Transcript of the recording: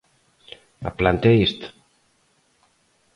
A planta é esta.